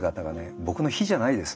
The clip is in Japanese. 僕の比じゃないです。